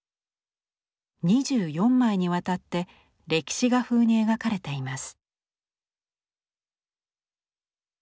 ２４枚にわたって歴史画風に描かれています。